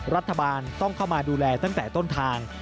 รัฐบาลต้องเข้ามาดูแลตั้งแต่ต้นทาง